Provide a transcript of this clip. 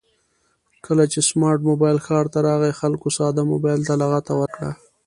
کله چې سمارټ مبایل ښار ته راغی خلکو ساده مبایل ته لغته ورکړه